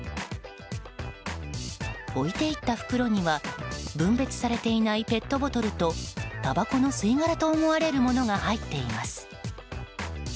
置いていった袋には分別されていないペットボトルとたばこの吸い殻と思われるものが入っています。